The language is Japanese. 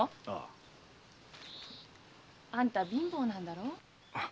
ああ。あんた貧乏なんだろ？